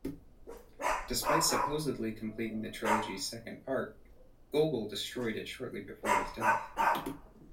Despite supposedly completing the trilogy's second part, Gogol destroyed it shortly before his death.